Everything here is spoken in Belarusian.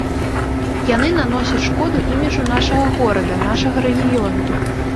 Яны наносяць шкоду іміджу нашага горада, нашага рэгіёну.